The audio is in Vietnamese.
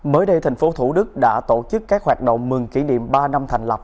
mới đây thành phố thủ đức đã tổ chức các hoạt động mừng kỷ niệm ba năm thành lập